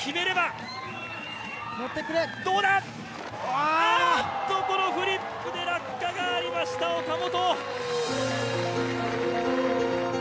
あっと、そのフリップで落下がありました、岡本。